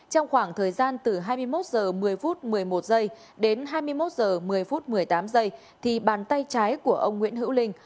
trong khoảng thời gian từ hai mươi một h một mươi một mươi một đến hai mươi một h một mươi một mươi tám thì bàn tay trái của ông nguyễn hữu linh